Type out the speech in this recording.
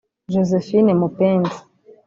Josephine Mupenzi